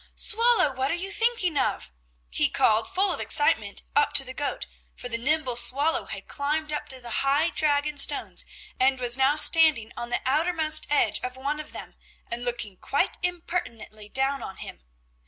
Swallow! what are you thinking of?" he called full of excitement, up to the goat, for the nimble Swallow had climbed up to the high Dragon stones and was now standing on the outermost edge of one of them and looking quite impertinently down on him.